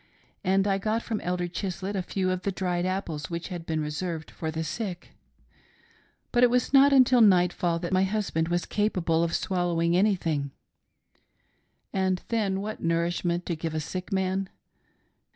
And I got from Elder Chislett a few of the dried apples which had been reserved for the sick ; but it was not until nightfall that my husband was capable of swallowing anything — and then, what nourishment to give to a sick man